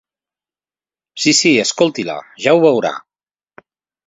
Sí, sí, escolti-la, ja ho veurà.